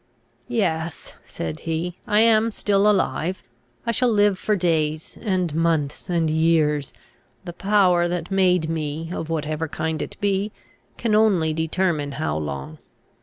"Yes," said he, "I am still alive. I shall live for days, and months, and years; the power that made me, of whatever kind it be, can only determine how long.